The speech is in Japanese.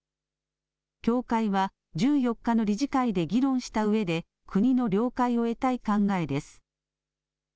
協会は１４日の理事会で議論したうえで、国の了解を得たい考えです。